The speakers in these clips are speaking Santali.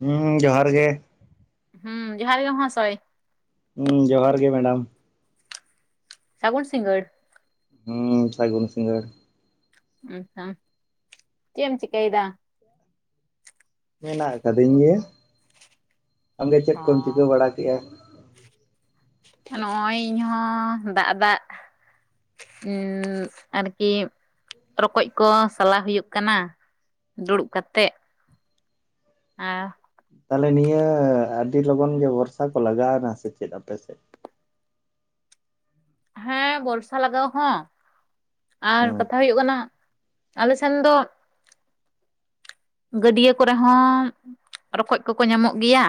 ᱦᱩᱸ ᱡᱚᱦᱟᱨ ᱜᱮ᱾ ᱦᱩᱸ ᱡᱚᱦᱟᱨ ᱜᱮ ᱢᱟᱦᱟᱥᱚᱭ᱾ ᱦᱩᱸ ᱡᱚᱦᱟᱨ ᱜᱮ ᱢᱮᱰᱟᱢ᱾ ᱥᱟᱹᱜᱩᱱ ᱥᱤᱸᱜᱟᱹᱲ᱾ ᱦᱩᱸ ᱥᱟᱹᱜᱩᱱ ᱥᱤᱸᱜᱟᱹᱲ᱾ ᱦᱩᱸ ᱟᱪᱷᱟ ᱪᱮᱫ ᱮᱢ ᱪᱤᱠᱟᱹᱭ ᱫᱟ? ᱢᱮᱱᱟᱜ ᱟᱠᱟᱫᱤᱧ ᱜᱮᱭᱟ᱾ ᱟᱢᱜᱮ ᱪᱮᱫ ᱠᱚᱢ ᱪᱤᱠᱟᱹ ᱵᱟᱲᱟ ᱠᱮᱜᱼᱟ? ᱱᱚᱸᱜᱼᱚᱭ ᱤᱧ ᱦᱚᱸ ᱫᱟᱜ ᱫᱟᱜ ᱩᱸ ᱟᱨᱠᱤ ᱨᱚᱠᱚᱡ ᱠᱚ ᱥᱟᱞᱟ ᱦᱩᱭᱩᱜ ᱠᱟᱱᱟ᱾ ᱫᱩᱲᱩᱵ ᱠᱟᱛᱮᱜ᱾ ᱟᱨ, ᱛᱟᱦᱚᱞᱮ ᱱᱤᱭᱟᱹ ᱟᱹᱰᱤ ᱞᱚᱜᱚᱱ ᱜᱮ ᱵᱷᱚᱨᱥᱟ ᱠᱚ ᱞᱟᱜᱟᱣᱱᱟ ᱥᱮ ᱪᱮᱫ ᱟᱯᱮ ᱥᱮᱫ? ᱦᱮᱸ ᱵᱚᱨᱥᱟ ᱞᱟᱜᱟᱣ ᱦᱚᱸ, ᱟᱨ ᱦᱩᱸ ᱠᱟᱛᱷᱟ ᱦᱩᱭᱩᱜ ᱠᱟᱱᱟ ᱟᱞᱮ ᱥᱮᱱ ᱫᱚ ᱜᱟᱹᱰᱭᱟᱹ ᱠᱚᱨᱮ ᱦᱚᱸ ᱨᱚᱠᱚᱡ ᱠᱚᱠᱚ ᱧᱟᱢᱚᱜ ᱜᱮᱭᱟ᱾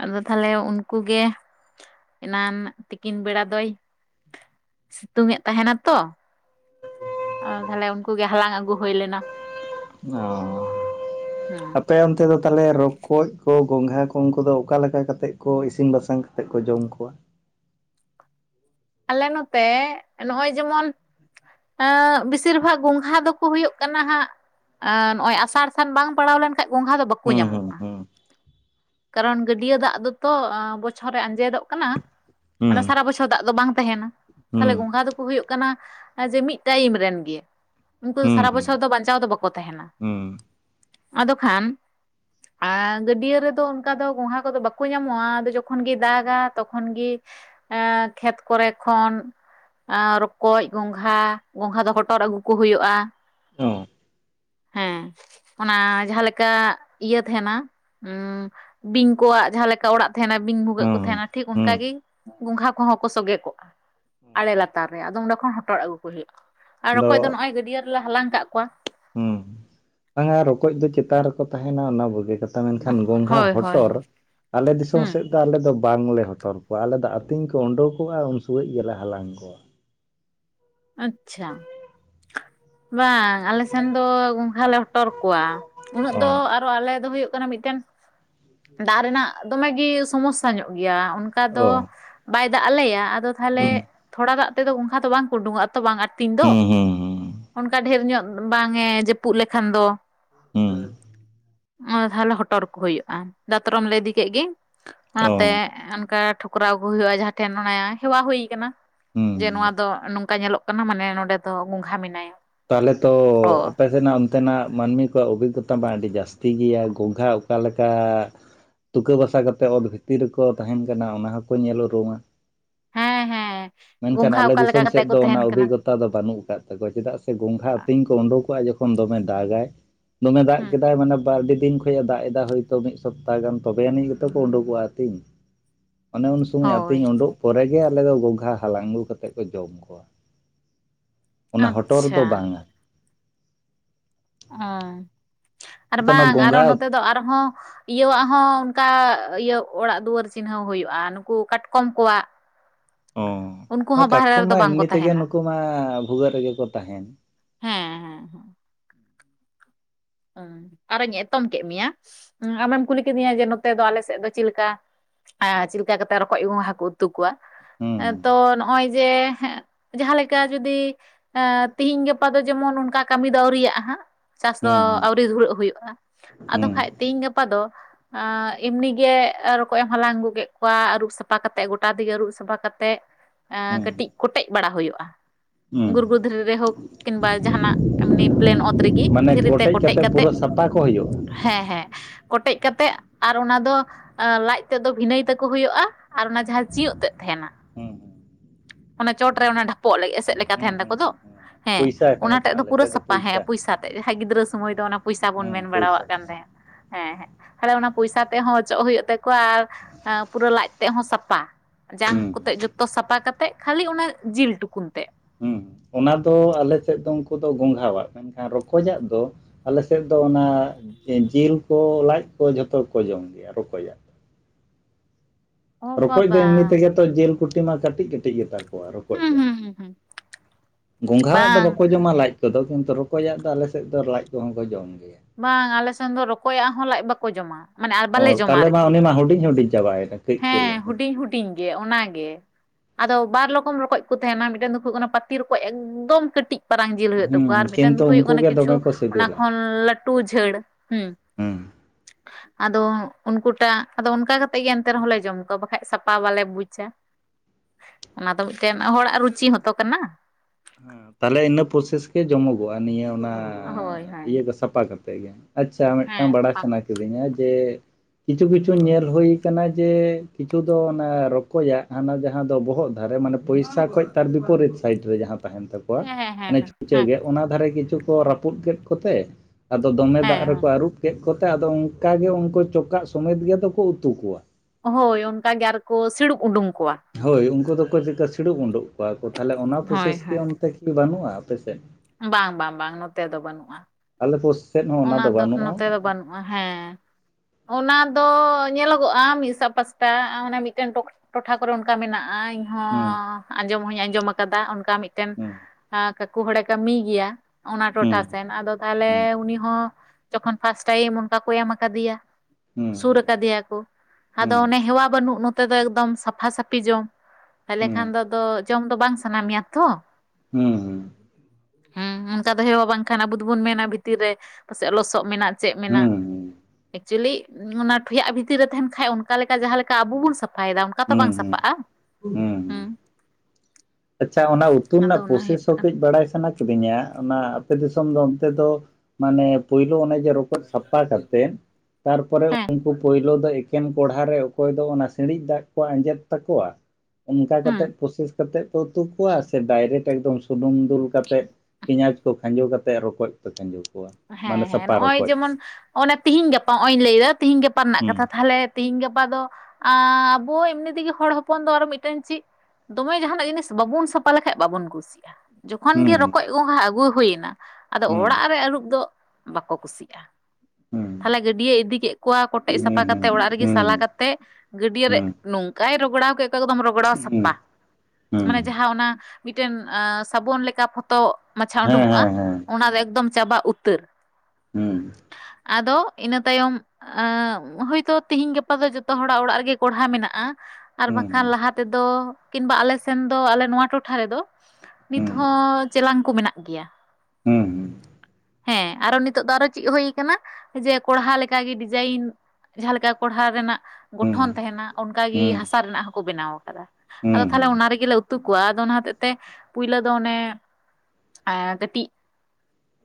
ᱟᱫᱚ ᱛᱟᱦᱚᱞᱮ ᱩᱱᱠᱩ ᱜᱮ, ᱮᱱᱟᱱ ᱛᱤᱠᱤᱱ ᱵᱮᱲᱟ ᱫᱚᱭ ᱥᱤᱛᱩᱝ ᱮᱫ ᱛᱟᱦᱮᱱᱟ ᱛᱚ, ᱟᱫᱚ ᱛᱟᱦᱞᱮ ᱩᱱᱠᱩ ᱜᱮ ᱦᱟᱞᱟᱝ ᱟᱹᱜᱩ ᱦᱩᱭ ᱞᱮᱱᱟ᱾ ᱚ ᱦᱩᱸ, ᱟᱯᱮ ᱚᱱᱛᱮ ᱫᱚ ᱛᱟᱦᱚᱞᱮ ᱨᱚᱠᱚᱡ ᱠᱚ ᱜᱚᱝᱜᱷᱟ ᱠᱚ ᱩᱝᱠᱩ ᱫᱚ ᱚᱠᱟ ᱞᱮᱠᱟ ᱠᱟᱛᱮᱜ ᱠᱩ ᱤᱥᱤᱱ ᱵᱟᱥᱟᱝ ᱠᱟᱛᱮᱜ ᱠᱚ ᱡᱚᱢ ᱠᱚᱣᱟ᱾ ᱟᱞᱮ ᱱᱚᱛᱮ ᱱᱚᱜᱼᱚᱭ ᱡᱮᱢᱚᱱ ᱮᱸ ᱵᱮᱥᱤᱨ ᱵᱷᱟᱜᱽ ᱜᱚᱝᱜᱷᱟ ᱫᱚᱠᱚ ᱦᱩᱭᱩᱜ ᱠᱟᱱᱟ ᱦᱟᱸᱜ ᱮ ᱱᱚᱜᱼᱚᱭ ᱟᱥᱟᱲ ᱥᱟᱱ ᱵᱟᱝ ᱯᱟᱲᱟᱣ ᱞᱮᱱᱠᱷᱟᱱ ᱜᱚᱝᱜᱷᱟ ᱫᱚ ᱵᱟᱠᱚ ᱦᱩᱸ ᱦᱩᱸ ᱧᱟᱢᱚᱜᱼᱟ᱾ ᱠᱟᱨᱚᱱ ᱜᱟᱹᱰᱭᱟᱹ ᱫᱟᱜ ᱫᱚᱛᱚ ᱵᱚᱪᱷᱚᱨᱮ ᱟᱸᱡᱮᱫᱚᱜ ᱠᱟᱱᱟ᱾ ᱦᱩᱸ ᱢᱟᱱᱮ ᱥᱟᱨᱟ ᱵᱚᱪᱷᱚᱨ ᱫᱟᱜ ᱫᱚ ᱵᱟᱝ ᱛᱟᱦᱮᱱᱟ, ᱦᱩᱸ ᱛᱟᱦᱚᱞᱮ ᱜᱚᱝᱜᱷᱟ ᱫᱚᱠᱚ ᱦᱩᱭᱩᱜ ᱠᱟᱱᱟ ᱡᱮ ᱢᱤᱫ ᱴᱟᱭᱤᱢ ᱨᱮᱱ ᱜᱮ ᱩᱱᱠᱩ ᱫᱚ ᱦᱩᱸ ᱥᱟᱨᱟ ᱵᱚᱪᱷᱚᱨ ᱫᱚ ᱵᱟᱧᱪᱟᱣ ᱫᱚ ᱵᱟᱠᱚ ᱛᱟᱦᱮᱱᱟ᱾ ᱦᱩᱸ ᱟᱫᱚ ᱠᱷᱟᱱ ᱟᱨ ᱜᱟᱹᱰᱭᱟᱹ ᱨᱮᱫᱚ ᱚᱱᱠᱟ ᱫᱚ ᱜᱚᱸᱜᱷᱟ ᱠᱚᱫᱚ ᱵᱟᱠᱚ ᱧᱟᱢᱚᱜᱼᱟ᱾ ᱟᱫᱚ ᱡᱚᱠᱷᱚᱱ ᱜᱮ ᱫᱟᱜᱟ ᱛᱚᱠᱷᱚᱱ ᱜᱤ ᱮᱻ ᱠᱷᱮᱛ ᱠᱚᱨᱮ ᱠᱷᱚᱱ, ᱟᱨ ᱨᱚᱠᱚᱡ ᱜᱚᱝᱜᱷᱟ, ᱜᱚᱝᱜᱷᱟ ᱫᱚ ᱦᱚᱴᱚᱨ ᱟᱹᱜᱩ ᱠᱚ ᱦᱩᱭᱩᱜᱼᱟ᱾ ᱦᱩᱸ ᱦᱮᱸ ᱚᱱᱟ ᱡᱟᱦᱟᱸ ᱞᱮᱠᱟ ᱤᱭᱟᱹ ᱛᱟᱦᱮᱱᱟ, ᱩᱸ ᱵᱤᱧ ᱠᱚᱣᱟᱜ ᱡᱟᱦᱟᱸ ᱞᱮᱠᱟ ᱚᱲᱟᱜ ᱛᱟᱦᱮᱱᱟ, ᱵᱤᱧ ᱦᱩᱸ ᱚ ᱵᱷᱩᱜᱟᱹᱜ ᱠᱚ ᱦᱩᱸ ᱛᱟᱦᱮᱱᱟ ᱴᱷᱤᱠ ᱦᱩᱸ ᱚᱱᱠᱟᱜᱮ᱾ ᱜᱚᱝᱜᱷᱟ ᱠᱚᱦᱚᱸ ᱠᱚ ᱥᱚᱜᱮ ᱠᱚᱜᱼᱟ ᱟᱲᱮ ᱞᱟᱛᱟᱨ ᱨᱮ, ᱟᱫᱚ ᱚᱸᱰᱮ ᱠᱷᱚᱱ ᱦᱚᱴᱚᱨ ᱟᱹᱜᱩ ᱠᱚ ᱦᱩᱭᱩᱜᱼᱟ ᱾ ᱟᱨ ᱨᱚᱠᱚᱡ ᱫᱚ ᱱᱚᱜᱼᱚᱭ ᱜᱟᱹᱰᱭᱟᱹ ᱨᱮᱞᱮ ᱦᱟᱞᱟᱝ ᱠᱟᱜ ᱠᱚᱣᱟ᱾ ᱦᱩᱸ ᱵᱟᱝᱟ ᱨᱚᱠᱚᱡ ᱫᱚ ᱪᱮᱛᱟᱱ ᱨᱮᱠᱚ ᱛᱟᱦᱮᱱᱟ ᱚᱱᱟ ᱵᱚᱜᱮ ᱠᱟᱛᱷᱟ᱾ ᱢᱮᱱᱠᱷᱟᱱ ᱜᱚᱝᱜᱷᱟ ᱦᱳᱭ ᱦᱳᱭ ᱦᱚᱴᱚᱨ ᱟᱞᱮ ᱫᱤᱥᱚᱢ ᱦᱩᱸ ᱥᱮᱫ ᱫᱚ ᱟᱞᱮ ᱫᱚ ᱵᱟᱝᱞᱮ ᱦᱚᱴᱚᱨ ᱠᱚᱣᱟ, ᱟᱞᱮ ᱫᱚ ᱟᱹᱛᱤᱧ ᱠᱚ ᱩᱸᱰᱩᱠᱚᱜᱼᱟ ᱩᱱ ᱥᱚᱢᱚᱭ ᱜᱮᱞᱮ ᱦᱟᱞᱟᱝ ᱠᱚᱣᱟ᱾ ᱟᱪᱪᱷᱟ, ᱵᱟᱝ ᱟᱞᱮ ᱥᱮᱱ ᱫᱚ ᱜᱚᱝᱜᱷᱟ ᱞᱮ ᱦᱚᱴᱚᱨ ᱠᱚᱣᱟ᱾ ᱩᱱᱟᱹᱜ ᱚ ᱫᱚ ᱟᱨᱚ ᱟᱞᱮ ᱫᱚ ᱦᱩᱭᱩᱜ ᱠᱟᱱᱟ, ᱢᱤᱫᱴᱮᱱ ᱫᱟᱜ ᱨᱮᱱᱟᱜ ᱫᱚᱢᱮ ᱜᱮ ᱥᱚᱢᱚᱥᱥᱟ᱾ ᱧᱚᱜ ᱜᱮᱭᱟ, ᱚᱱᱠᱟ ᱫᱚ ᱚ ᱵᱟᱭ ᱫᱟᱜ ᱟᱞᱮᱭᱟ ᱟᱫᱚ ᱛᱟᱦᱚᱞᱮ ᱦᱩᱸ ᱛᱷᱚᱲᱟ ᱫᱟᱜ ᱛᱮᱫᱚ ᱜᱚᱝᱜᱷᱟ ᱫᱚ ᱵᱟᱝ ᱩᱸᱰᱩᱝᱚᱜᱼᱟ ᱛᱚ ᱵᱟᱝ ᱟᱹᱛᱤᱧ ᱫᱚ ᱦᱩᱸ ᱦᱩᱸ ᱦᱩᱸ ᱚᱱᱠᱟ ᱰᱷᱮᱨ ᱧᱚᱜ ᱵᱟᱝ ᱮ ᱡᱟᱹᱯᱩᱫ ᱞᱮᱠᱷᱟᱱ ᱫᱚ᱾ ᱦᱩᱸ, ᱟᱫᱚ ᱛᱟᱦᱚᱞᱮ ᱦᱚᱴᱚᱨ ᱠᱚ ᱦᱩᱭᱩᱜᱼᱟ᱾ ᱫᱟᱛᱨᱚᱢ ᱞᱮ ᱤᱫᱤ ᱠᱮᱜ ᱜᱮ ᱚ ᱚᱱᱟᱛᱮ ᱚᱱᱠᱟ ᱴᱷᱚᱠ ᱠᱚᱨᱟᱣ ᱦᱩᱭᱩᱜᱼᱟ, ᱡᱟᱦᱟᱸ ᱴᱷᱮᱱ ᱚᱱᱮ ᱦᱮᱣᱟ ᱦᱩᱭ ᱠᱟᱱᱟ ᱦᱩᱸ ᱡᱮ ᱱᱚᱣᱟ ᱫᱚ ᱱᱚᱝ ᱚᱱᱠᱟ ᱧᱮᱞᱚᱜ ᱠᱟᱱᱟ, ᱢᱟᱱᱮ ᱱᱚᱸᱰᱮ ᱫᱚ ᱜᱚᱝᱜᱷᱟ ᱢᱮᱱᱟᱭᱟ᱾ ᱛᱟᱦᱚᱞᱮ ᱛᱚ ᱚ ᱟᱯᱮᱥᱮᱱᱟᱜ ᱱᱚᱛᱮ ᱱᱟᱜ ᱢᱟᱹᱱᱢᱤ ᱠᱚᱣᱟᱜ ᱚᱵᱷᱤᱜ ᱜᱚᱛᱟ ᱢᱟ ᱟᱹᱰᱤ ᱡᱟᱹᱥᱛᱤ ᱜᱮᱭᱟ ᱜᱚᱝᱜᱷᱟ ᱚᱠᱟ ᱞᱮᱠᱟ ᱛᱩᱠᱟᱹ ᱵᱟᱥᱟ ᱠᱟᱛᱮᱮᱫ ᱚᱛ ᱵᱷᱤᱛᱤᱨ ᱨᱮᱠᱚ ᱛᱟᱦᱮᱱ ᱠᱟᱱᱟ ᱚᱱᱟ ᱦᱚᱸᱠᱚ ᱧᱮᱞ ᱩᱨᱩᱢᱟ ᱦᱮᱸ ᱦᱮᱸ ᱢᱮᱱᱠᱷᱟᱱ ᱜᱚᱝᱜᱷᱟ ᱟᱞᱮ ᱚᱠᱟ ᱞᱮᱠᱟ ᱫᱤᱥᱚᱢ ᱥᱮᱫ ᱠᱟᱛᱮᱜ ᱠᱚ ᱫᱚ ᱚᱱᱟ ᱛᱟᱦᱮᱱ ᱠᱟᱱᱟ ᱚᱵᱷᱤᱜᱽᱜᱚ ᱚᱵᱷᱤᱜᱽᱜᱛᱟ ᱫᱚ ᱵᱟᱹᱱᱩᱜ ᱟᱠᱟᱫ ᱛᱟᱠᱚᱣᱟ ᱪᱮᱫᱟᱜ ᱥᱮ ᱜᱚᱝᱜᱷᱟ ᱟᱹᱛᱤᱧ ᱠᱚ ᱩᱰᱩᱠᱚᱜᱼᱟ ᱡᱚᱠᱷᱚᱱ ᱫᱚᱢᱮ ᱫᱟᱜᱟᱭ᱾ ᱫᱚᱢᱮ ᱫᱟᱜ ᱦᱩᱸ ᱠᱮᱫᱟᱭ ᱢᱟᱱᱮ ᱵᱟᱨ ᱫᱤᱫᱤᱝ ᱚᱠᱷᱮ ᱫᱟᱜ ᱮᱫᱟ ᱦᱳᱭᱛᱳ ᱢᱤᱫ ᱥᱚᱯᱛᱟᱟᱦ ᱜᱟᱱ ᱛᱚᱵᱮ ᱟᱹᱱᱤᱡ ᱜᱮᱛᱚ ᱠᱚ ᱩᱰᱠᱜᱚᱜ ᱟᱠᱚ ᱟᱛᱤᱧ᱾ ᱚᱱᱮ ᱩᱱ ᱥᱩᱚᱢᱚᱭ ᱦᱳᱭ ᱟᱛᱤᱧ ᱩᱰᱩᱜ ᱯᱚᱨᱮ ᱜᱮ ᱟᱞᱮ ᱫᱚ ᱜᱚᱸᱜᱷᱟ ᱦᱟᱞᱟᱝ ᱟᱹᱜᱩ ᱠᱟᱛᱮ ᱠᱚ ᱡᱚᱢ ᱠᱚᱣᱟ ᱚᱱᱟ ᱦᱚ ᱦᱚᱴᱚᱨ ᱟᱪᱪᱷᱟ ᱫᱚ ᱵᱟᱝ, ᱚ ᱟᱨ ᱟᱪᱪᱷᱟ ᱱᱚᱣᱟ ᱵᱟᱝ ᱟᱨᱚ ᱜᱚᱝᱜᱷᱟ ᱱᱚᱛᱮ ᱫᱚ ᱟᱨᱦᱚᱸ ᱤᱭᱟᱹᱣᱟᱜ ᱦᱚᱸ ᱚᱱᱠᱟ ᱤᱭᱟᱹ ᱚᱲᱟᱜ ᱫᱩᱣᱟᱹᱨ ᱪᱤᱱᱦᱟᱹᱣ ᱦᱩᱭᱩᱜᱼᱟ ᱱᱩᱠᱩ ᱠᱟᱴᱠᱚᱢ ᱠᱚᱣᱟᱜ ᱾ [unintelligible] ᱚ ᱠᱟᱴᱠᱚᱢ ᱢᱟ ᱮᱢᱱᱤ ᱛᱮᱜᱮ ᱱᱩᱠᱩ ᱢᱟ ᱵᱷᱩᱜᱟᱹᱜ ᱨᱮᱜᱮ ᱠᱚ ᱛᱟᱦᱮᱱ ᱾ ᱦᱮᱸ ᱦᱮᱸ ᱦᱮᱸ ᱾ ᱚ ᱟᱨᱚᱧ ᱮᱛᱚᱢ ᱠᱮᱫ ᱢᱮᱭᱟ ᱟᱢᱮᱢ ᱠᱩᱞᱤ ᱠᱤᱫᱤᱧᱟ ᱡᱮ ᱱᱚᱛᱮ ᱫᱚ ᱟᱞᱮ ᱥᱮᱫ ᱫᱚ ᱪᱮᱫ ᱞᱮᱠᱟ ᱮ ᱪᱮᱫ ᱞᱮᱠᱟ ᱠᱟᱛᱮᱜ ᱨᱚᱠᱚᱡ ᱵᱚᱸ ᱦᱟᱹᱠᱩ ᱩᱛᱩ ᱠᱚᱣᱟ, ᱦᱩᱸ ᱛᱚ ᱱᱚᱜᱼᱚᱭ ᱡᱮ ᱦᱮ ᱸᱡᱟᱦᱟᱸ ᱞᱮᱠᱟ ᱡᱩᱫᱤ ᱮ ᱛᱤᱦᱤᱧ ᱜᱟᱯᱟ ᱫᱚ ᱡᱮᱢᱚᱱ ᱚᱱᱠᱟ ᱠᱟᱹᱢᱤ ᱫᱚ ᱟᱹᱣᱨᱤᱭᱟ ᱦᱟᱸᱜ, ᱛᱚ ᱦᱩᱸ ᱟᱹᱣᱨᱤ ᱫᱷᱩᱲᱟᱹᱜ ᱦᱩᱭᱩᱜᱼᱟ ᱟᱫᱚ ᱦᱩᱸ ᱠᱷᱟᱱᱡ ᱛᱮᱦᱤᱧ ᱜᱟᱯᱟ ᱫᱚ ᱟ ᱮᱢᱱᱤᱜ ᱜᱮ ᱨᱚᱠᱚᱡ ᱮᱢ ᱦᱟᱞᱟᱝ ᱟᱹᱜᱩ ᱠᱮᱫ ᱠᱚᱣᱟ ᱟᱹᱨᱩᱵ ᱥᱟᱯᱷᱟ ᱠᱟᱛᱮᱫ ᱜᱳᱚᱴᱟ ᱛᱮᱜᱮ ᱟᱹᱨᱩᱵ ᱥᱟᱯᱷᱟ ᱠᱟᱛᱮᱫ ᱮ ᱦᱩᱸ ᱠᱟᱹᱴᱤᱡ ᱠᱚᱴᱮᱡ ᱵᱟᱲᱟ ᱦᱩᱭᱩᱜᱼᱟ, ᱦᱩᱸ ᱜᱩᱨᱜᱩ ᱫᱷᱤᱨᱤ ᱨᱮᱦᱳᱠ ᱠᱤᱝᱵᱟ ᱡᱟᱦᱟᱱᱟᱜ ᱮᱢᱱᱤ ᱦᱩᱸ ᱯᱮᱞᱮᱱ ᱚᱛ ᱨᱮᱜᱤ ᱢᱟᱱᱮ ᱠᱚᱴᱮᱡ ᱠᱟᱛᱮᱮᱫ ᱯᱩᱨᱟᱹ ᱥᱟᱯᱷᱟ ᱠᱚ ᱦᱩᱭᱩᱜᱼᱟ ᱾ ᱦᱮᱸ ᱦᱮᱸ ᱠᱚᱴᱮᱡ ᱠᱟᱛᱮᱜ ᱟᱨ ᱚᱱᱟ ᱫᱚ ᱞᱟᱡ ᱛᱮᱫ ᱫᱚ ᱵᱷᱤᱱᱟᱹ ᱛᱟᱠᱚ ᱦᱩᱭᱩᱜᱼᱟ ᱟᱨ ᱚᱱᱟ ᱡᱟᱦᱟᱸ ᱪᱤᱭᱳᱜ ᱛᱮᱜ ᱛᱟᱦᱮᱱᱟ ᱦᱩᱸ ᱦᱩᱸ ᱚᱱᱟ ᱪᱚᱴᱨᱮ ᱚᱱᱟ ᱰᱷᱟᱯᱚᱜ ᱞᱟᱹᱜᱤᱫ ᱮᱥᱮᱫ ᱦᱩᱸ ᱞᱮᱠᱟ ᱦᱩᱸ ᱛᱟᱦᱮᱱ ᱦᱩᱸ ᱛᱟᱠᱚ ᱫᱚ ᱦᱩᱸ ᱦᱩᱸ ᱦᱮᱸ ᱯᱚᱭᱥᱟ ᱠᱚ ᱚᱱᱟ ᱴᱮᱡ ᱢᱮᱛᱟᱜᱼᱟ ᱫᱚ ᱟᱞᱮ ᱯᱩᱨᱟᱹ ᱥᱮᱫ ᱥᱟᱯᱷᱟᱟ ᱦᱮᱸ ᱯᱚᱭᱥᱟ ᱛᱮ ᱡᱟᱦᱟᱸᱭ ᱜᱤᱫᱽᱨᱟᱹ ᱥᱩᱚᱢᱚᱭ ᱫᱚ ᱚᱱᱟ ᱯᱚᱭᱥᱟ ᱵᱚᱱ ᱦᱩᱸ ᱢᱮᱱ ᱵᱟᱲᱟᱜ ᱯᱚᱭᱥᱟ ᱠᱟᱱ ᱛᱟᱦᱮᱸᱱᱟ ᱾ ᱦᱮᱸ ᱦᱮᱸ ᱛᱟᱦᱚᱞᱮ ᱚᱱᱟ ᱯᱚᱭᱥᱟ ᱛᱮ ᱦᱚᱸᱚᱸ ᱚᱪᱚᱜ ᱦᱩᱭᱩᱜ ᱛᱟᱠᱚᱣᱟ ᱟᱨ ᱯᱩᱨᱟᱹ ᱞᱟᱡ ᱛᱮ ᱦᱚᱸ ᱥᱟᱯᱷᱟ ᱡᱟᱝ ᱦᱩᱸ ᱠᱚᱛᱮᱫ ᱡᱚᱛᱚ ᱥᱟᱯᱷᱟ ᱠᱟ ᱠᱟᱛᱮᱜ ᱠᱷᱟᱹᱞᱤ ᱚᱱᱟ ᱡᱤᱞ ᱴᱩᱠᱩᱱ ᱛᱮᱫ ᱦᱩᱸ ᱚᱱᱟ ᱫᱚ ᱟᱞᱮ ᱥᱮᱫ ᱫᱚ ᱩᱱᱠᱩ ᱫᱚ ᱜᱚᱸᱜᱷᱟᱟᱜ ᱢᱮᱱᱠᱷᱟᱱ ᱨᱚᱠᱚᱡᱟᱜ ᱫᱚ ᱟᱞᱮ ᱥᱮᱫ ᱫᱚ ᱚᱱᱟ ᱡᱤᱞ ᱠᱚ ᱞᱟᱡᱽ ᱠᱚ ᱡᱷᱚᱛᱚ ᱜᱮᱠᱚ ᱡᱚᱢ ᱜᱮᱭᱟ ᱨᱚᱠᱚᱭᱟᱜ ᱾ ᱚ ᱨᱚᱠᱚᱡ ᱫᱚ ᱵᱟᱵᱟ ᱮᱢᱱᱤ ᱛᱮᱜᱮ ᱛᱚ ᱡᱤᱞ ᱠᱩᱴᱤ ᱢᱟ ᱠᱟᱹᱴᱤᱡ ᱠᱟᱹᱴᱤᱡ ᱜᱮᱛᱟ ᱠᱚᱣᱟ ᱨᱚᱠᱚᱡ ᱦᱩᱸ ᱫᱚ ᱦᱩᱸ ᱦᱩᱸ ᱦᱩᱸ ᱜᱚᱸᱜᱷᱟᱟᱜ ᱫᱚ ᱵᱟᱝ ᱵᱟᱠᱚ ᱡᱚᱢᱟ ᱞᱟᱡ ᱠᱚᱫᱚ ᱠᱤᱱᱛᱩ ᱨᱚᱠᱚᱡᱟᱜ ᱫᱚ ᱟᱞᱮ ᱥᱮᱫ ᱫᱚ ᱞᱟᱡ ᱠᱚᱦᱚᱸ ᱠᱚ ᱡᱚᱢ ᱜᱮᱭᱟ ᱾ ᱵᱟᱝ ᱟᱞᱮ ᱥᱮᱱ ᱫᱚ ᱨᱚᱠᱚᱭᱟᱜ ᱦᱚᱸ ᱞᱟᱡᱽ ᱵᱟᱠᱚ ᱡᱚᱢᱟ ᱾ ᱢᱟᱱᱮ ᱟᱨ ᱚ ᱵᱟᱞᱮ ᱡᱚᱢᱟ ᱛᱟᱦᱚᱞᱮ ᱢᱟ ᱟᱨᱠᱤ ᱩᱱᱤ ᱢᱟ ᱦᱩᱰᱤᱧ ᱦᱩᱰᱤᱧ ᱪᱟᱵᱟᱭᱮᱱᱟ ᱠᱟᱹᱡ ᱦᱮᱸ ᱪᱩᱞᱩᱝ ᱦᱩᱰᱤᱧ ᱦᱩᱰᱤᱧ ᱜᱮ ᱚᱱᱟᱜᱮ, ᱟᱫᱚ ᱵᱟᱨ ᱨᱚᱠᱚᱢ ᱨᱠᱚᱡ ᱠᱚ ᱛᱟᱦᱮᱱᱟ ᱢᱤᱫᱴᱮᱱ ᱫᱚᱠᱚ ᱦᱩᱭᱩᱜ ᱠᱟᱱᱟ ᱯᱟᱛᱤ ᱨᱚᱠᱚᱡ ᱮᱠᱫᱚᱢ ᱠᱟᱹᱴᱤᱡ ᱪᱟᱞᱟᱝ ᱡᱤᱞ ᱦᱩᱭᱩᱜ ᱛᱟᱠᱚᱣᱟ ᱦᱩᱸ ᱟᱨ ᱢᱤᱫᱴᱮᱱ ᱫᱚ ᱠᱤᱱᱛᱩ ᱦᱩᱭᱩᱜ ᱩᱱᱠᱩ ᱠᱟᱱᱟ ᱜᱮ ᱠᱤᱪᱷᱩ ᱫᱚᱢᱮ ᱠᱚ ᱚᱱᱟ ᱥᱤᱵᱤᱞᱟ ᱠᱷᱚᱱ ᱞᱟᱴ ᱴᱩ ᱡᱷᱟᱹᱲ ᱦᱩᱸ ᱟᱫᱚ ᱩᱱᱠᱩᱴᱟᱜ ᱟᱫᱚ ᱚᱱᱠᱟ ᱠᱟᱛᱮ ᱠᱟᱛᱮ ᱮᱱᱛᱮ ᱨᱮᱦᱚᱸᱞᱮ ᱡᱚᱢ ᱠᱚᱣᱟ ᱵᱟᱠᱷᱟᱡ ᱥᱟᱯᱟ ᱵᱟᱞᱮ ᱵᱩᱡᱟ ᱾ ᱚᱱᱟ ᱫᱚ ᱢᱤᱫᱴᱮᱱ ᱦᱚᱲᱟᱜ ᱨᱩᱪᱤ ᱦᱚᱸᱛᱚ ᱠᱟᱱᱟ ᱾ ᱦᱮᱸ ᱛᱟᱦᱚᱞᱮ ᱤᱱᱟᱹ ᱯᱨᱚᱥᱮᱥ ᱜᱮ ᱡᱚᱢᱚᱜᱚᱜᱼᱟ ᱱᱤᱭᱟᱹ ᱚᱱᱟ ᱦᱳᱭ ᱦᱳᱭ ᱤᱭᱟᱹ ᱠᱚ ᱥᱟᱯᱟ ᱠᱟᱛᱮᱫ ᱜᱮ, ᱟᱪᱪᱷᱟ ᱢᱤᱫᱴᱟᱝ ᱦᱮᱸ ᱵᱟᱲᱟᱭ ᱥᱟᱯᱟ ᱥᱟᱱᱟ ᱠᱤᱫᱤᱧᱟ ᱡᱮ ᱠᱤᱪᱷᱩ ᱠᱤᱪᱷᱩ ᱧᱮᱞ ᱦᱩᱭ ᱠᱟᱱᱟ ᱡᱮ ᱠᱤᱪᱷᱩ ᱫᱚ ᱚᱱᱟ ᱨᱚᱠᱚᱡᱟᱜ ᱦᱟᱱᱟ ᱡᱟᱦᱟᱸ ᱫᱚ ᱵᱚᱦᱚᱜ ᱫᱷᱟᱨᱮ ᱢᱟᱱᱮ ᱯᱚᱭᱥᱟ ᱠᱷᱚᱡ ᱛᱟᱨ ᱵᱯᱚᱨᱤᱛ ᱥᱟᱭᱤᱴ ᱨᱮ ᱡᱟᱦᱟᱸ ᱾ ᱛᱟᱦᱮᱱ ᱛᱟᱠᱚᱣᱟ ᱦᱮᱸ ᱦᱮᱸ ᱦᱮᱸ ᱢᱟᱱᱮ ᱦᱮᱸ ᱪᱩᱪᱟᱹᱜᱮᱫ ᱚᱱᱟ ᱫᱷᱟᱨᱮ ᱠᱤᱪᱷᱩ ᱠᱚ ᱨᱟᱹᱯᱩᱫ ᱠᱮᱫ ᱠᱚᱛᱮᱼᱼ ᱟᱫᱚ ᱫᱚᱢᱮ ᱫᱟᱜ ᱦᱮᱸ ᱨᱮᱠᱚ ᱟᱹᱨᱩᱵ ᱠᱮᱫ ᱠᱚᱛᱮ ᱟᱫᱚ ᱚᱱᱠᱟ ᱜᱮ ᱩᱱᱠᱩ ᱪᱚᱠᱟᱜ ᱥᱚᱢᱮᱛ ᱜᱮᱫᱚ ᱠᱚ ᱩᱛᱩ ᱠᱚᱣᱟ ᱾ ᱦᱳᱭ ᱚᱱᱠᱟ ᱜᱮ ᱟᱨᱠᱚ ᱥᱤᱲᱩᱯ ᱩᱰᱩᱝ ᱠᱚᱣᱟ᱾ ᱦᱳᱭ ᱩᱱᱠᱩ ᱫᱚᱠᱚ ᱪᱤᱠᱟᱹ ᱥᱤᱲᱩᱵ ᱩᱰᱩᱜ ᱠᱚᱣᱟ ᱠᱚ ᱛᱟᱞᱦᱮ ᱚᱱᱟ ᱦᱳᱭ ᱯᱨᱚᱥᱮᱥ ᱠᱤ ᱦᱳᱭ ᱚᱱᱛᱮ ᱠᱤ ᱵᱟᱹᱱᱩᱜᱼᱟ ᱟᱯᱮᱥᱮᱫ? ᱵᱟᱝ ᱵᱟᱝ ᱵᱟᱝ ᱱᱚᱛᱮ ᱫᱚ ᱵᱟᱹᱱᱩᱜᱼᱟ᱾ ᱟᱞᱮ ᱠᱳ ᱥᱮᱫ ᱦᱚᱸ ᱚᱱᱟ ᱫᱚ ᱵᱟᱹᱱᱩᱜᱼᱟ᱾ ᱱᱚᱛᱮ ᱫᱚ ᱵᱟᱹᱱᱩᱜᱼᱟ ᱦᱮᱸ ᱚᱱᱟ ᱫᱚ ᱧᱮᱞᱚᱜᱚᱜᱼᱟ ᱢᱤᱫᱥᱟ ᱯᱟᱥᱴᱟ ᱚᱱᱮ ᱢᱤᱫᱴᱮᱱ ᱴᱚ ᱴᱷᱟ ᱠᱚᱨᱮ ᱚᱱᱠᱟ ᱢᱮᱱᱟᱜᱼᱟ ᱾ ᱤᱧ ᱦᱩᱸ ᱦᱚᱸ ᱟᱸᱡᱚᱢ ᱦᱚᱧ ᱟᱸᱡᱚᱢ ᱟᱠᱟᱫᱟ ᱚᱱᱠᱟ ᱢᱤᱫᱴᱮᱱ ᱦᱩᱸ ᱠᱟᱠᱩ ᱦᱚᱲᱮ ᱠᱟᱹᱢᱤᱭ ᱜᱮᱭᱟ ᱾ ᱚᱱᱟ ᱴᱚᱴᱷᱟ ᱦᱩᱸ ᱥᱮᱱ ᱟᱫᱚ ᱛᱟᱦᱚᱞᱮ ᱦᱩᱸ ᱩᱱᱤ ᱦᱚᱸ ᱡᱚᱠᱷᱚᱱ ᱯᱷᱟᱥᱴ ᱴᱟᱭᱤᱢ ᱚᱱᱠᱟ ᱠᱚ ᱮᱢ ᱟᱠᱟᱫᱮᱭᱟ ᱾ ᱦᱩᱸ ᱥᱩᱨ ᱠᱟᱫᱮᱭᱟ ᱠᱚ ᱟᱫᱚ ᱦᱩᱸ ᱚᱱᱮ ᱦᱮᱣᱟ ᱵᱟᱹᱱᱩᱜ ᱱᱚᱛᱮ ᱫᱚ ᱮᱠᱫᱚᱢ ᱥᱟᱯᱷᱟ ᱥᱟᱹᱯᱷᱤ ᱡᱚᱢ ᱛᱟᱦᱚᱞᱮ ᱠᱷᱟᱱ ᱦᱩᱸ ᱫᱚ ᱟᱫᱚ ᱡᱚᱢ ᱫᱚ ᱵᱟᱝ ᱥᱟᱱᱟ ᱢᱮᱭᱟ ᱛᱚ᱾ ᱦᱩᱸ ᱦᱩᱸ ᱦᱩᱢ ᱚᱱᱠᱟ ᱫᱚ ᱦᱮᱣᱼᱟ ᱵᱟᱝᱠᱷᱟᱱ ᱟᱵᱚ ᱫᱚᱵᱚᱱ ᱢᱮᱱᱟ ᱵᱷᱤᱛᱤᱨ ᱨᱮ᱾ ᱯᱟᱥᱮᱡ ᱞᱚᱥᱚᱜ ᱢᱮᱱᱟᱜ ᱪᱮᱫ ᱦᱩᱸ ᱦᱩᱸ ᱢᱮᱱᱟᱜ, ᱦᱩᱸ ᱮᱠᱪᱩᱭᱮᱞᱤ ᱚᱱᱟ ᱴᱷᱚᱭᱟᱜ ᱵᱷᱤᱛᱤᱨ ᱨᱮ ᱛᱟᱦᱮᱱ ᱠᱷᱟᱡ ᱚᱱᱠᱟ ᱞᱮᱠᱟ ᱡᱟᱦᱟ ᱞᱮᱠᱟ ᱟᱵᱚ ᱵᱚᱱ ᱦᱩᱸ ᱥᱟᱯᱷᱟᱭ ᱫᱟ ᱚᱱᱠᱟ ᱛᱚ ᱵᱟᱝ ᱦᱩᱸ ᱦᱩᱸ ᱦᱩᱸ ᱥᱟᱯᱷᱟᱜᱼᱟ ᱾ ᱦᱩᱸ, ᱟᱪᱪᱷᱟ ᱚᱱᱟ ᱩᱛᱩ ᱟᱫᱚ ᱨᱮᱱᱟᱜ ᱚᱱᱟ ᱦᱩᱭᱩᱜ ᱯᱨᱚᱥᱮᱥ ᱦᱚᱸ ᱠᱟᱱᱟ ᱠᱟᱹᱡ ᱵᱟᱲᱟᱭ ᱥᱟᱱᱟ ᱠᱤᱫᱤᱧᱟ ᱚᱱᱟ ᱟᱯᱮ ᱫᱤᱥᱚᱢ ᱫᱚ ᱚᱱᱛᱮ ᱫᱚ ᱢᱟᱱᱮ ᱯᱳᱭᱞᱳ ᱚᱱᱮ ᱡᱮ ᱨᱚᱠᱚᱡ ᱥᱟᱯᱟ ᱠᱟᱛᱮᱫ, ᱛᱟᱨᱯᱚᱨᱮ ᱦᱮᱸ ᱩᱱᱠᱩ ᱯᱳᱭᱞᱳ ᱫᱚ ᱮᱠᱮᱱ ᱠᱚᱲᱦᱟ ᱨᱮ ᱚᱠᱚᱭ ᱫᱚ ᱚᱱᱟ ᱥᱤᱬᱤᱡ ᱫᱟᱜ ᱠᱚ ᱟᱸᱡᱮᱫ ᱛᱟᱠᱚᱣᱟ ᱾ [inaudible] ᱚᱱᱠᱟ ᱠᱟᱛᱮᱫ ᱯᱨᱚᱥᱮᱥ ᱠᱟᱛᱮᱫ ᱯᱮ ᱩᱛᱩ ᱠᱚᱣᱟ ᱥᱮ ᱰᱟᱭᱨᱮᱴ ᱮᱠᱫᱚᱢ ᱥᱩᱱᱩᱢ ᱫᱩᱞ ᱠᱟᱛᱮᱫ ᱯᱤᱸᱭᱟᱡᱽ ᱠᱚ ᱠᱷᱟᱸᱡᱚ ᱠᱟᱛᱮᱜ ᱨᱚᱠᱚᱡ ᱯᱮ ᱠᱷᱟᱸᱡᱚ ᱠᱚᱣᱟ ᱦᱮᱸ ᱢᱟᱱᱮ ᱦᱮᱸ ᱥᱟᱯᱷᱟ ᱱᱚᱜᱼᱚᱭ ᱨᱚᱠᱚᱡ ᱡᱮᱢᱚᱱ ᱚᱱᱮ ᱛᱮᱦᱤᱧ ᱜᱟᱯᱟ ᱱᱚᱜᱼᱚᱭᱧ ᱞᱟᱹᱭ ᱫᱟ ᱛᱤᱦᱤᱧ ᱜᱟᱯᱟ ᱨᱮᱱᱟᱜ ᱦᱩᱸ ᱠᱟᱛᱷᱟ ᱛᱷᱟᱞᱮ ᱛᱮᱦᱤᱧ ᱜᱟᱯᱟ ᱫᱚ ᱟᱵᱚ ᱮᱢᱱᱤ ᱛᱮᱜᱮ ᱦᱚᱲ ᱦᱚᱯᱚᱱ ᱫᱚ ᱟᱨᱚ ᱢᱤᱫᱴᱮᱱ ᱪᱮᱫ ᱫᱚᱢᱮ ᱡᱟᱦᱟᱱᱟᱜ ᱡᱤᱱᱤᱥ ᱵᱟᱵᱚᱱ ᱥᱟᱯᱷᱟ ᱞᱮᱠᱷᱟᱡ ᱵᱟᱵᱚᱱ ᱠᱩᱥᱤᱜᱼᱟ᱾ ᱡᱚᱠᱷᱚᱱ ᱜᱮ ᱦᱩᱸ ᱨᱚᱠᱚᱡ ᱜᱚᱸᱜᱷᱟ ᱟᱹᱜᱩ ᱦᱩᱭ ᱮᱱᱟ ᱟᱫᱚ ᱦᱩᱸ ᱚᱲᱟᱜ ᱨᱮ ᱟᱹᱨᱩᱵ ᱫᱚ ᱵᱟᱠᱚ ᱠᱩᱥᱤᱜᱼᱟ᱾ ᱦᱩᱸ ᱛᱟᱦᱞᱮ ᱜᱟᱹᱰᱭᱟᱹᱭ ᱤᱫᱤ ᱠᱮᱫ ᱠᱚᱣᱟ ᱠᱚᱴᱮᱡ ᱥᱟᱯᱷᱟ ᱦᱩᱸ ᱠᱟᱛᱮᱫ ᱚᱲᱟᱜ ᱦᱩᱸ ᱨᱮᱜᱮ ᱥᱟᱞᱟ ᱦᱩᱸ ᱠᱟᱛᱮᱜ ᱜᱟᱹᱰᱭᱟᱹ ᱨᱮ ᱦᱩᱸ ᱦᱩᱸ ᱱᱚᱝᱠᱟᱭ ᱨᱚᱜᱚᱲᱟᱣ ᱠᱮᱜ ᱠᱚᱣᱟ ᱮᱠᱫᱚᱢ ᱨᱚᱜᱲᱟᱣ ᱦᱩᱸ ᱥᱟᱯᱟ ᱦᱩᱸ ᱢᱟᱱᱮ ᱡᱟᱦᱟᱸ ᱚᱱᱟ ᱢᱤᱫᱴᱮᱱ ᱥᱟᱵᱚᱱ ᱞᱮᱠᱟ ᱯᱷᱚᱛᱚ ᱢᱟᱪᱷᱟ ᱩᱰᱩᱝ ᱦᱮᱸ ᱚᱜᱼᱟ ᱦᱮᱸ ᱦᱮᱸ ᱾ ᱚᱱᱟ ᱫᱚ ᱮᱠᱫᱚᱢ ᱪᱟᱵᱟ ᱩᱛᱟᱹᱨ, ᱦᱩᱸ ᱟᱫᱚ ᱤᱱᱟᱹ ᱛᱟᱭᱚᱢ ᱦᱳᱭᱛᱳ ᱛᱤᱦᱤᱧ ᱜᱟᱯᱟ ᱫᱚ ᱡᱚᱛᱚ ᱦᱚᱲᱟᱜ ᱚᱲᱟᱜ ᱨᱮᱜᱮ ᱠᱚᱲᱦᱟ ᱢᱮᱱᱟᱜᱼᱟ᱾ ᱟᱨ ᱵᱟᱝᱠᱷᱟᱱ ᱦᱩᱸ ᱞᱟᱦᱟ ᱛᱮᱫᱚ ᱠᱤᱱᱵᱟ ᱟᱞᱮ ᱥᱮᱱ ᱫᱚ ᱟᱞᱮ ᱱᱚᱣᱟ ᱴᱚᱴᱷᱟ ᱨᱮᱫᱚ ᱱᱤᱛ ᱦᱚᱸ ᱪᱮᱞᱟᱝ ᱠᱚ ᱢᱮᱱᱟᱜ ᱜᱮᱭᱟ᱾ ᱦᱩᱸ ᱦᱩᱸ ᱦᱮᱸ ᱟᱨᱚ ᱱᱤᱛᱚᱜ ᱫᱚ ᱟᱨᱚ ᱪᱮᱫ ᱦᱩᱭ ᱠᱟᱱᱟ ᱡᱮ ᱠᱚᱲᱦᱟ ᱞᱮᱠᱟᱜᱮ ᱰᱤᱡᱟᱭᱤᱱ ᱡᱟᱦᱟᱸ ᱞᱮᱠᱟ ᱠᱚᱲᱦᱟ ᱨᱮᱱᱟᱜ ᱜᱚᱴᱷᱚᱱ ᱛᱟᱦᱮᱱᱟ ᱚᱱᱠᱟᱜᱮ ᱦᱟᱥᱟ ᱨᱮᱱᱟᱜ ᱦᱚᱸᱠᱚ ᱵᱮᱱᱟᱣ ᱠᱟᱫᱟ᱾ ᱟᱫᱚ ᱛᱟᱦᱚᱞᱮ ᱚᱱᱟ ᱨᱮᱜᱮᱞᱮ ᱩᱛᱩ ᱠᱚᱣᱟ ᱟᱫᱚ ᱚᱱᱟ ᱦᱚᱛᱮᱛ ᱛᱮ ᱯᱩᱭᱞᱳ ᱫᱚ ᱚᱱᱮ ᱮᱸᱻ ᱠᱟ. ᱴᱤᱜ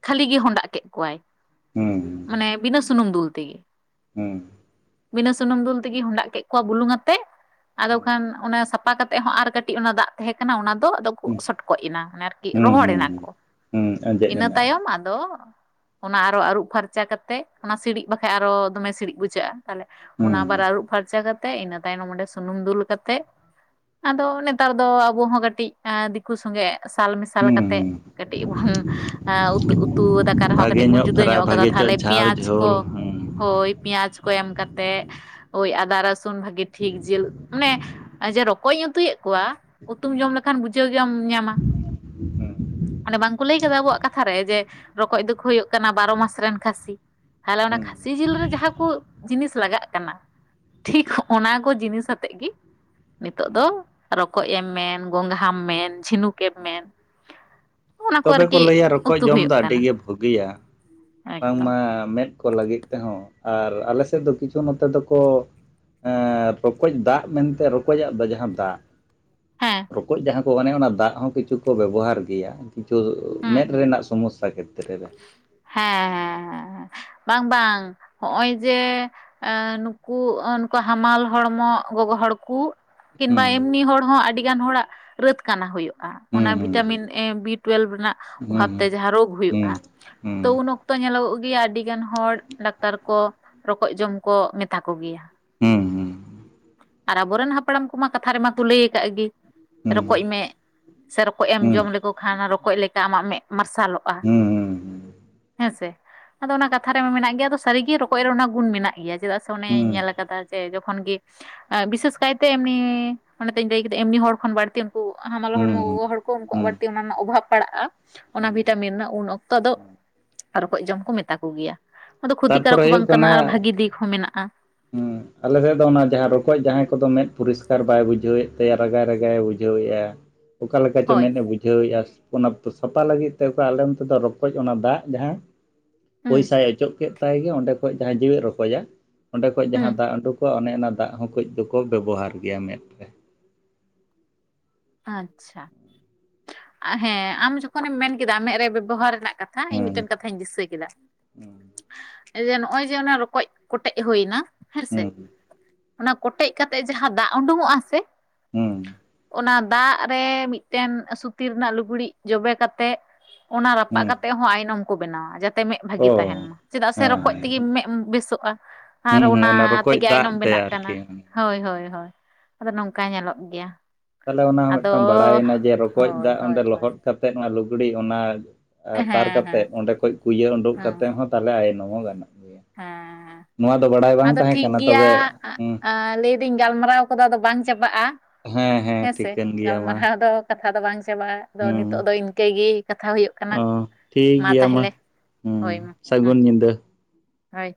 ᱠᱷᱟᱹᱞᱤ ᱜᱮ ᱦᱰᱟᱜ ᱠᱮᱫ ᱠᱚᱣᱟᱭ, ᱢᱟᱱᱮ ᱵᱤᱱᱟᱹ ᱥᱩᱱᱩᱢ ᱫᱩᱞ ᱛᱮᱜᱮ᱾ ᱵᱤᱱᱟᱹ ᱥᱩᱱᱩᱢ ᱫᱩᱞ ᱛᱮᱜᱮ ᱦᱸᱰᱟᱜ ᱠᱮᱫ ᱠᱚᱣᱟ ᱵᱩᱞᱩᱝ ᱟᱛᱮᱜ᱾ ᱟᱫᱚ ᱠᱷᱟᱱ ᱚᱱᱟ ᱥᱟᱯᱟ ᱠᱟᱛᱮᱜ ᱦᱚᱸ ᱟᱨ ᱠᱟᱹᱴᱤᱡ ᱚᱱᱟ ᱫᱟᱜ ᱛᱟᱦᱮᱸ ᱠᱟᱱᱟ ᱚᱱᱟ ᱫᱚ ᱟᱫᱚ ᱠᱚ ᱥᱚᱴᱠᱚᱡ ᱮᱱᱟ᱾ ᱨᱚᱦᱚᱲ ᱮᱱᱟᱠᱚ, ᱟᱸᱡᱮᱫ ᱤᱱᱟᱹ ᱮᱱᱟ ᱟᱨ ᱛᱟᱭᱚᱢ ᱟᱫᱚ ᱚᱱᱟ ᱟᱨᱚ ᱟᱹᱨᱩᱵ ᱯᱷᱟᱨᱪᱟ ᱠᱟᱛᱮᱜ ᱚᱱᱟ ᱥᱤᱲᱤᱡ ᱵᱟᱠᱷᱟᱡ ᱟᱨᱚ ᱫᱚᱢᱮ ᱥᱤᱲᱤᱡ ᱵᱩᱡᱷᱟᱹᱜᱼᱟ ᱛᱟᱦᱚᱞᱮ᱾ ᱚᱱᱟ ᱦᱩᱸ ᱟᱵᱟᱨ ᱟᱹᱨᱩᱵ ᱯᱷᱟᱨᱪᱟ ᱠᱟᱛᱮᱜ ᱤᱱᱟᱹ ᱛᱟᱭᱱᱚᱢ ᱚᱸᱰᱮ ᱥᱩᱱᱩᱢ ᱫᱩᱞ ᱠᱟᱛᱮᱜ ᱟᱫᱚ ᱱᱮᱛᱟᱨ ᱫᱚ ᱟᱵᱚ ᱦᱚᱸ ᱠᱟᱹᱴᱤᱡ ᱮ ᱫᱤᱠᱩ ᱥᱚᱸᱜᱮ ᱥᱟᱞ ᱢᱮᱥᱟᱞ ᱦᱩᱸ ᱠᱟᱛᱮᱜ ᱦᱩᱸ ᱠᱟᱹᱴᱤᱡ ᱵᱚᱱ ᱩᱛᱩ ᱩᱛ ᱛᱩ ᱫᱟᱠᱟ ᱨᱮᱦᱚᱸ ᱵᱷᱟᱜᱮ ᱠᱟᱹᱴᱤᱡ ᱵᱚᱱ ᱡᱩᱫᱟᱹ ᱯᱷᱨᱟᱭ ᱧᱚᱜ ᱟᱠᱟᱫᱟ ᱵᱷᱟᱜᱮ ᱪᱚ ᱛᱷᱟᱞᱮ ᱡᱷᱟᱞ ᱯᱮᱸᱭᱟᱡᱽ ᱠᱚ ᱡᱷᱳᱞ ᱦᱩᱸ ᱦᱳᱭ ᱯᱮᱸᱭᱟᱡᱽ ᱠᱚ ᱮᱢ ᱠᱟᱛᱮᱜ ᱳᱭ ᱟᱫᱟ ᱨᱟᱥᱩᱱ ᱵᱷᱟᱹᱜᱮᱹ ᱴᱷᱤᱠ ᱡᱮᱹᱞ ᱢᱟᱱᱮ ᱟᱪᱷᱟ ᱨᱚᱠᱚᱡ ᱤᱧ ᱩᱛᱩᱭᱮᱫ ᱠᱚᱣᱟ ᱩᱛᱩᱢ ᱡᱚᱢ ᱞᱮᱠᱷᱟᱱ ᱵᱩᱡᱷᱟᱹᱣ ᱜᱮᱢ ᱧᱟᱢᱟ ᱾ ᱢᱟᱱᱮ ᱵᱟᱝᱠᱚ ᱞᱟᱹᱭ ᱠᱟᱫᱟ ᱟᱵᱚᱣᱟᱜ ᱠᱟᱛᱷᱟᱨᱮ ᱡᱮ ᱨᱚᱠᱚᱡ ᱫᱚᱠᱚ ᱦᱳᱭᱳᱜ ᱠᱟᱱᱟ ᱵᱟᱨᱚ ᱢᱟᱥ ᱨᱮᱱ ᱠᱷᱟᱥᱤ ᱾ ᱛᱟᱦᱞᱮ ᱚᱱᱟ ᱠᱷᱟᱥᱤ ᱡᱮᱹᱞ ᱨᱮ ᱡᱟᱦᱟᱸ ᱠᱚ ᱡᱤᱱᱤᱥ ᱞᱟᱜᱟᱜ ᱠᱟᱱᱟ ᱴᱷᱤᱠ ᱚᱱᱟᱠᱚ ᱡᱤᱱᱤᱥ ᱟᱛᱮᱜ ᱜᱮ ᱱᱤᱛᱳᱜ ᱫᱚ ᱨᱚᱠᱚᱡ ᱮᱢ ᱢᱮᱱ ᱜᱚᱝᱜᱷᱟᱢ ᱢᱮᱱ ᱡᱷᱤᱱᱩᱠ ᱠᱮᱢ ᱢᱮᱱ ᱚᱱᱟ ᱛᱚᱵᱮ ᱠᱚ ᱟᱨᱠᱤ ᱞᱟᱹᱭᱟ ᱨᱚᱠᱚᱡ ᱩᱛᱩ ᱡᱚᱢ ᱦᱩᱭᱩᱜ ᱫᱚ ᱠᱟᱱᱟ ᱟᱹᱰᱤᱜᱮ ᱵᱩᱹᱜᱤᱭᱟ ᱮᱠᱫᱚᱢ ᱵᱟᱝᱢᱟ ᱢᱮᱫ ᱠᱚ ᱞᱟᱹᱜᱤᱫ ᱛᱮᱦᱚᱸ ᱟᱨ ᱟᱞᱮ ᱥᱮᱫ ᱫᱚ ᱠᱤᱪᱷᱩ ᱱᱚᱛᱮ ᱫᱚᱠᱚ ᱨᱚᱠᱚᱡ ᱫᱟᱜ ᱢᱮᱱᱛᱮ ᱨᱚᱠᱚᱡᱟᱜ ᱫᱚ ᱡᱟᱦᱟᱸ ᱫᱟᱜ, ᱦᱮᱸ ᱨᱚᱠᱚᱡ ᱡᱟᱦᱟᱸ ᱠᱚ ᱢᱟᱱᱮ ᱚᱱᱟ ᱫᱟᱜ ᱦᱚᱸ ᱠᱤᱪᱷᱩ ᱠᱚ ᱵᱮᱵᱚᱦᱟᱨ ᱜᱮᱭᱟ ᱾ ᱦᱩᱸ ᱢᱮᱫ ᱦᱩᱸ ᱨᱮᱱᱟᱜ ᱥᱚᱢᱚᱥᱥᱟ ᱠᱷᱮᱛᱨᱮ ᱨᱮ ᱾ ᱦᱮᱸ- ᱦᱮᱸ -ᱦᱮᱸ- ᱦᱮᱸ, ᱵᱟᱝ -ᱵᱟᱝ ᱾ ᱦᱚᱜᱼᱚᱭ ᱡᱮ ᱱᱩᱠᱩ, ᱱᱩᱠᱩ ᱦᱟᱢᱟᱞ ᱦᱚᱲᱢᱚ ᱜᱚᱜᱚ ᱦᱚᱲ ᱠᱩ, ᱠᱤᱱᱵᱟ ᱦᱩᱸ ᱮᱢᱱᱤ ᱦᱚᱲ ᱦᱚᱸ ᱟᱹᱰᱤ ᱜᱟᱱ ᱦᱚᱲᱟᱜ ᱨᱟᱹᱛ ᱠᱟᱱᱟ ᱦᱳᱭᱳᱜᱼ ᱚᱱᱟ ᱦᱩᱸ ᱦᱩᱸ ᱵᱷᱤᱴᱟᱢᱤᱱ ᱮ ᱵᱤ ᱴᱩᱭᱮᱞᱵᱷ ᱨᱮᱱᱟᱜ ᱚᱵᱷᱟᱵᱽ ᱛᱮ ᱡᱟᱦᱟᱸ ᱨᱳᱜᱽ ᱦᱳᱭᱳᱜᱼᱟ ᱦᱩᱸ ᱾ ᱦᱩᱸ ᱛᱚ ᱩᱱ ᱚᱠᱛᱚ ᱧᱮᱞᱚᱜᱚᱜ ᱜᱮᱭᱟ ᱟᱹᱰᱤ ᱜᱟᱱ ᱦᱚᱲ ᱰᱟᱠᱛᱟᱨ ᱠᱚ -ᱼ ᱨᱚᱠᱚᱡ ᱡᱚᱢ ᱠᱚ ᱢᱮᱛᱟ ᱠᱚᱜᱮᱭᱟ ᱾ ᱦᱩᱸ ᱦᱩᱸ ᱾ ᱟᱨ ᱟᱵᱚᱨᱮᱱ ᱦᱟᱯᱲᱟᱢ ᱠᱚᱢᱟ ᱠᱟᱛᱷᱟ ᱨᱮᱢᱟ ᱠᱚ ᱞᱟᱹᱭ ᱟᱠᱟᱜ ᱜᱮ ᱦᱩᱸ ᱨᱚᱠᱚᱡ ᱢᱮᱜ ᱾ ᱥᱮ ᱨᱚᱠᱚᱡ ᱮᱢ ᱦᱩᱸ ᱦᱩᱸ ᱡᱚᱢ ᱞᱮᱠᱚ ᱠᱷᱟᱱ ᱨᱚᱠᱚᱡ ᱞᱮᱠᱟ ᱟᱢᱟᱜ ᱢᱮᱫ ᱢᱟᱨᱥᱟᱞᱚᱜᱼᱟ ᱦᱩᱸ ᱦᱩᱸ ᱦᱩᱸ ᱾ ᱦᱮᱸ ᱥᱮ? ᱟᱫᱚ ᱚᱱᱟ ᱠᱟᱛᱷᱟ ᱨᱮᱢᱟ ᱢᱮᱱᱟᱜ ᱜᱮᱭᱟ ᱟᱫᱚ ᱥᱟᱹᱨᱤᱜᱮ ᱨᱚᱠᱚᱡ ᱨᱮ ᱚᱱᱟ ᱜᱩᱱ ᱢᱮᱱᱟᱜ ᱜᱮᱭᱟ ᱪᱮᱫᱟᱜ ᱥᱮ ᱚᱱᱮᱧ ᱧᱮᱞ ᱟᱠᱟᱫᱟ ᱡᱮ ᱡᱚᱠᱷᱚᱱ ᱜᱮ ᱵᱤᱥᱮᱹᱥ ᱠᱟᱭᱛᱮ ᱮᱢᱱᱤ ᱚᱱᱟᱛᱮᱧ ᱞᱟᱹᱭ ᱠᱮᱫᱟ ᱮᱢᱱᱤ ᱦᱚᱲ ᱠᱷᱚᱱ ᱵᱟᱹᱲᱛᱤ ᱩᱱᱠᱩ ᱦᱟᱢᱟᱞ ᱦᱩᱸ ᱦᱚᱲᱢᱚ ᱦᱩᱸ ᱜᱚᱜᱚ ᱦᱚᱲ ᱩᱱᱠᱩᱣᱟᱜ ᱦᱩᱸ ᱵᱟᱹᱲᱛᱤ ᱚᱱᱟ ᱨᱮᱱᱟᱜ ᱚᱵᱷᱟᱵᱽ ᱯᱟᱲᱟᱜᱼᱟ ᱚᱱᱟ ᱦᱩᱸ ᱵᱷᱤᱴᱟᱢᱤᱱ ᱨᱮᱱᱟᱜ ᱩᱱ ᱚᱠᱛᱚ ᱟᱫᱚ ᱨᱚᱠᱚᱡ ᱡᱚᱢ ᱠᱚ ᱢᱮᱛᱟ ᱠᱚᱜᱮᱭᱟ ᱟᱫᱚ ᱠᱷᱚᱛᱤᱠᱟᱨᱚᱠ ᱛᱟᱨᱯᱚᱨᱮ ᱠᱚ ᱦᱩᱭᱩᱜ ᱵᱟᱝ ᱠᱟᱱᱟ ᱟᱨ ᱵᱷᱟᱹᱜᱤ ᱫᱤᱠ ᱦᱚᱸ ᱢᱮᱱᱟᱜᱼᱟ ᱾ ᱟᱞᱮ ᱥᱮᱫ ᱫᱚ ᱚᱱᱟ ᱡᱟᱦᱟᱸ ᱨᱚᱠᱚᱡ ᱡᱟᱦᱟᱸᱭ ᱠᱚᱫᱚ ᱢᱮᱫ ᱯᱚᱨᱤᱥᱠᱟᱨ ᱵᱟᱭ ᱵᱩᱡᱷᱟᱹᱣᱮᱫ ᱛᱟᱭᱟ ᱨᱟᱜᱟᱭ ᱨᱟᱜᱟᱭᱮ ᱵᱩᱡᱷᱟᱹᱣᱮ ᱟ ᱚᱠᱟ ᱞᱮᱠᱟ ᱪᱚ ᱦᱳᱭ ᱢᱮᱫ ᱮ ᱵᱩᱡᱷ ᱾ ᱵᱩᱡᱷᱟᱹᱣᱮᱫᱼᱟ ᱚᱱᱟ ᱥᱟᱯᱷᱟ ᱞᱟᱹᱜᱤᱫ ᱛᱮ ᱟᱞᱮ ᱱᱚᱛᱮ ᱫᱚ ᱨᱚᱠᱚᱡ ᱚᱱᱟ ᱫᱟᱜ ᱡᱟᱦᱟᱸ ᱦᱩᱸ ᱯᱚᱭᱥᱟᱭ ᱚᱪᱚᱜ ᱠᱮᱫ ᱛᱟᱭ ᱜᱮ ᱚᱸᱰᱮ ᱠᱷᱚᱡ ᱡᱟᱦᱟᱸᱭ ᱡᱮᱣᱮᱫ ᱨᱚᱠᱚᱡ-ᱟ ᱚᱸᱰᱮ ᱠᱷᱚᱡ ᱦᱩᱸ ᱡᱟᱦᱟᱸ ᱫᱟᱜ ᱩᱰᱩᱠᱚᱜᱼᱟ ᱚᱱᱮ ᱚᱱᱟ ᱫᱟᱜ ᱦᱚᱸ ᱠᱟᱹᱡ ᱫᱚᱠᱚ ᱵᱮᱵᱚᱦᱟᱨ ᱜᱮᱭᱟ ᱢᱮᱫ ᱨᱮ ᱾ ᱟᱪ-ᱪᱷᱟ ᱦᱮᱸ, ᱟᱢ ᱡᱚᱠᱷᱚᱱᱮᱢ ᱢᱮᱱᱠᱮᱫᱟ ᱢᱮᱫ ᱨᱮ ᱵᱮᱵᱚᱦᱟᱨ ᱨᱮᱱᱟᱜ ᱠᱟᱛ ᱦᱮᱸ ᱤᱧ ᱢᱤᱫᱴᱮᱱ ᱠᱟᱛᱷ ᱟᱧ ᱫᱤᱥᱟᱹ ᱠᱮᱫᱟ ᱱᱚᱜᱼᱚᱭ ᱡᱮ ᱚᱱᱟ ᱨᱚᱠᱚᱡ ᱠᱚᱴᱮᱡ ᱦᱳᱭᱱᱟ ᱦᱮᱸᱥᱮ, ᱦᱩᱸ ᱚᱱᱟ ᱠᱚᱴᱮᱡ ᱠᱟᱛᱮᱜ ᱡᱟᱦᱟᱸ ᱫᱟᱜ ᱳᱸᱰᱳᱸᱝᱜᱼᱟ ᱥᱮ ᱦᱩᱸ ᱾ ᱚᱱᱟ ᱫᱟᱜ ᱨᱮ ᱢᱤᱫᱴᱮᱱ ᱥᱩᱛᱤ ᱨᱮᱱᱟᱜ ᱞᱩᱜᱽᱲᱤᱡ ᱡᱚᱵᱮ ᱠᱟᱛᱮᱜ ᱚᱱᱟ ᱨᱟᱯᱟᱜ ᱦᱩᱸ ᱠᱟᱛᱮᱜ ᱦᱚᱸ ᱟᱭᱱᱚᱢ ᱠᱚ ᱵᱮᱱᱟᱣᱟ ᱡᱟᱛ ᱛᱮ ᱢᱮᱸᱫ ᱵᱷᱟᱹᱜᱤ ᱚ ᱛᱟᱦᱮᱱ ᱢᱟ ᱪᱮᱫᱟᱜ ᱥᱮ ᱨᱚᱠᱚᱡ ᱦᱮᱸ ᱛᱮᱜᱮ ᱢᱮᱫ ᱵᱮᱹᱥᱚᱜᱼᱟ ᱾ ᱟᱨ ᱦᱩᱸ ᱦᱩᱸ ᱚᱱᱟ ᱨᱚᱠᱚᱡ ᱛᱮᱜᱮ ᱫᱟᱜ ᱟᱭᱱᱚᱢ ᱛᱮ ᱵᱮᱱᱟᱜ ᱠᱟᱱᱟ ᱟᱨᱠᱤ ᱾ ᱦᱳᱭ -ᱦᱳᱭ- ᱦᱳᱭ, ᱟᱫᱚ ᱱᱚᱝᱠᱟ ᱧᱮᱞᱚᱜ ᱜᱮᱭᱟ ᱾ ᱛᱟᱞᱦᱮ ᱚᱱᱟ ᱦᱚᱸ ᱢᱤᱫᱴᱟᱝ ᱵᱟᱲᱟᱭᱮᱱᱟ ᱡᱮ ᱨᱚᱠᱚᱡ ᱦᱳᱭ ᱫᱟᱜ ᱦᱳᱭ ᱚᱸᱰᱮ ᱦᱳᱭ ᱞᱚᱦᱚᱫ ᱠᱟᱛᱮ ᱚᱱᱟ ᱞᱩᱜᱽᱲᱤ ᱚᱱᱟ ᱦᱮᱸ ᱛᱟᱨ ᱦᱮᱸ ᱠᱟᱛᱮᱫ ᱚᱸᱰᱮ ᱠᱷᱚᱡ ᱠᱩ ᱤᱭᱟᱹ ᱩᱰᱩᱠ ᱦᱮᱸ ᱠᱟᱛᱮ ᱦᱚᱸᱼᱼ ᱛᱟᱦᱚᱞᱮ ᱟᱭᱱᱚᱢ ᱦᱚᱸ ᱜᱟᱱᱚᱜ ᱜᱮᱭᱟ ᱾ ᱦᱮᱸ ᱟᱫᱚ ᱴᱷᱤᱠ ᱠᱟᱱᱟ ᱜᱮᱭᱟ ᱛᱚᱵᱮ ᱦᱮᱸ ᱟᱻ ᱱᱤᱛᱼᱼ ᱞᱟᱹᱭ ᱤᱧ ᱜᱟᱞᱢᱟᱨᱟᱣ ᱠᱚᱫᱚ ᱟᱫᱚ ᱵᱟᱝ ᱪᱟᱵᱟᱜᱼᱟ, ᱦᱮᱸ ᱥᱮ ᱴᱷᱤᱠᱟᱹᱱ ᱜᱮᱭᱟ ᱢᱟ ᱜᱟᱞᱢᱟᱨᱟᱣ ᱫᱚᱼᱼ ᱠᱟᱛᱷᱟ ᱫᱚ ᱵᱟᱝ ᱪᱟᱵᱟᱜᱼᱟ ᱟᱫᱚ ᱱᱤᱛᱚᱜ ᱫᱚ ᱤᱱᱠᱟᱹᱜ ᱜᱮ ᱠᱟᱛᱷᱟ ᱦᱩᱭᱩᱜ ᱾ ᱚᱻ ᱴᱷᱤᱠ ᱜᱮᱭᱟ ᱢᱟ ᱦᱩᱸ ᱥᱟᱹᱜᱩᱱ ᱧᱤᱫᱟᱹ ᱾ ᱦᱚᱭ ᱾